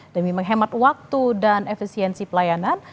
demi menghemat waktu dan efisiensi pelayanan